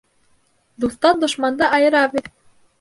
Дуҫтан дошманды айыра бел.